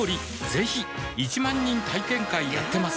ぜひ１万人体験会やってます